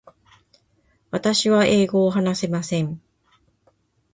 私は英語を話せません。